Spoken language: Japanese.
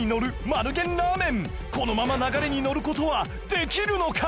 このまま流れにのる事はできるのか？